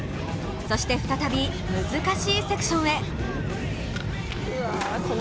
そして、再び難しいセクションへ。